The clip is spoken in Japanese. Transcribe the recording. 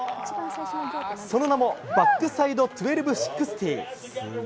その名もバックサイド１２６０。